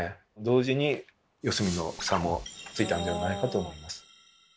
同時に四隅の房もついたんではないかと思います。